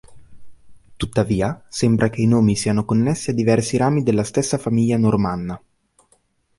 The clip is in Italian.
Tuttavia sembra che i nomi siano connessi a diversi rami della stessa famiglia normanna.